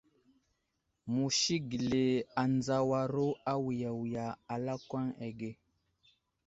Musi gəli anzawaru awiya wiya a lakwan age.